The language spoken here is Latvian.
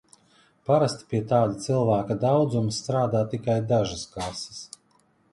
Parasti pie tāda cilvēku daudzuma strādā tikai dažas kases.